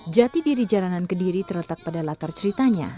jati diri jalanan kediri terletak pada latar ceritanya